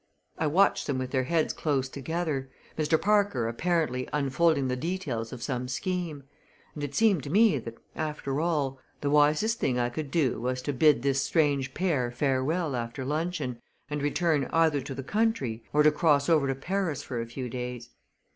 I watched them with their heads close together, Mr. Parker apparently unfolding the details of some scheme; and it seemed to me that, after all, the wisest thing I could do was to bid this strange pair farewell after luncheon and return either to the country or cross over to Paris for a few days.